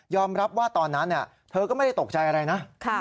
รับว่าตอนนั้นเธอก็ไม่ได้ตกใจอะไรนะ